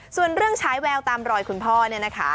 ส่วนเรื่องฉายแววตามรอยคุณพ่อเนี่ยนะคะ